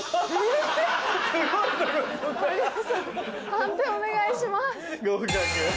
判定お願いします。